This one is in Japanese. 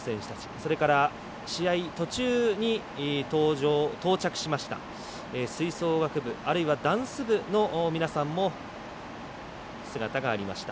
それから、途中に到着しました吹奏楽部あるいはダンス部の皆さんの姿がありました。